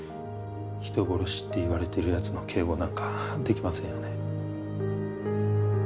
人殺しって言われてる奴の警護なんかできませんよね。